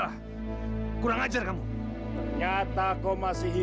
kukuh dengan sampai sengkara hemadai